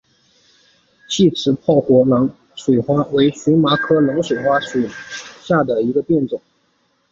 细齿泡果冷水花为荨麻科冷水花属下的一个变种。